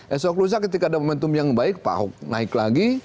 esok lusa ketika ada momentum yang baik pak ahok naik lagi